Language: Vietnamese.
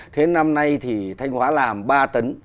thế năm nay thì thanh hóa làm ba tấn